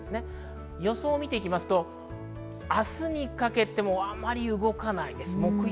予想を見ていきますと、明日にかけてもあまり動かないです。